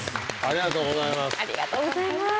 ありがとうございます。